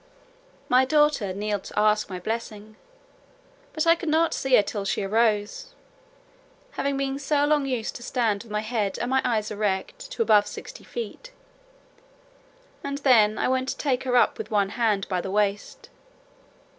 My daughter kneeled to ask my blessing, but I could not see her till she arose, having been so long used to stand with my head and eyes erect to above sixty feet; and then I went to take her up with one hand by the waist.